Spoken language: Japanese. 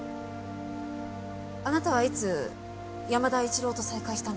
あなたはいつ山田一郎と再会したんですか？